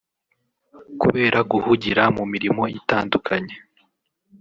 kubera guhugira mu mirimo itandukanye